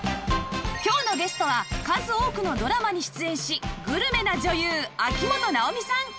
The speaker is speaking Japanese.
今日のゲストは数多くのドラマに出演しグルメな女優秋本奈緒美さん